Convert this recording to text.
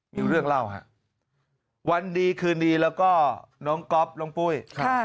มีเรื่องเล่าฮะวันดีคืนดีแล้วก็น้องก๊อฟน้องปุ้ย